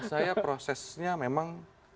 kalau saya prosesnya memang